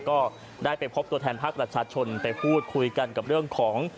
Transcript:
ก็ได้ไปพบตัวแทนภาคประชาชนไปพูดคุยกันกับเรื่องของ